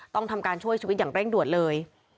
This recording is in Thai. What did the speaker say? ต้องทำการช่วยชีวิตอย่างเร่งด่วนเลย